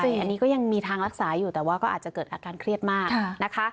คืออันนี้ก็ยังมีทางรักษาอยู่แต่ว่าก็อาจจะเกิดอาการเครียดมากนะคะ